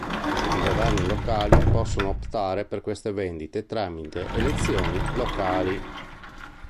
I governi locali possono optare per queste vendite tramite elezioni "locali".